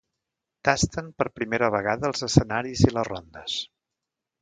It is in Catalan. Tasten per primera vegada els escenaris i les rondes.